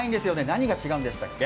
何が違うんでしたっけ？